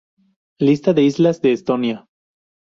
Lista de islas de Estonia